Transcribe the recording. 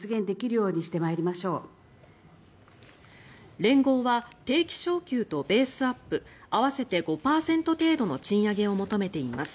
連合は定期昇給とベースアップ合わせて５％程度の賃上げを求めています。